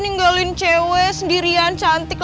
ninggalin cewek sendirian cantik